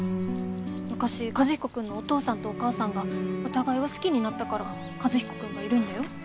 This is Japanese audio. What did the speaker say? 昔和彦君のお父さんとお母さんがお互いを好きになったから和彦君がいるんだよ？